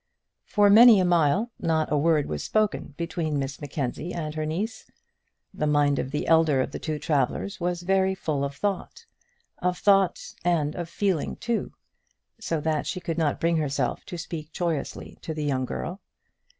For many a mile not a word was spoken between Miss Mackenzie and her niece. The mind of the elder of the two travellers was very full of thought, of thought and of feeling too, so that she could not bring herself to speak joyously to the young girl.